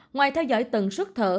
ngoài theo dõi tầng xuất thở